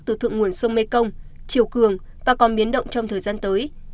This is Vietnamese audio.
từ thượng nguồn sông mekong triều cường và còn biến động trong thời gian tới